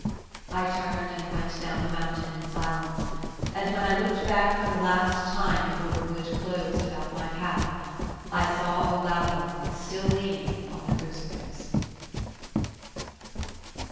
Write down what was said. I turned and went down the mountain in silence; and when I looked back for the last time before the wood closed about my path, I saw Olalla still leaning on the crucifix.